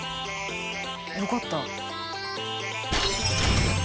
よかった。